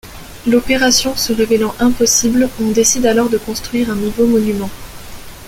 L'opération se révélant impossible, on décide alors de construire un nouveau monument.